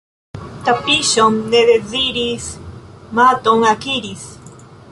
Tapiŝon ne deziris, maton akiris.